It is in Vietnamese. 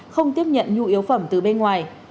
không tiếp nhận nhu yếu phẩm từ bên ngoài